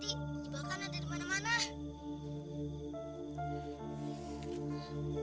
dibawah kanan dari mana mana